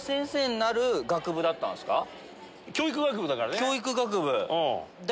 教育学部。